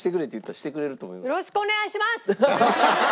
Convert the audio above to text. よろしくお願いします！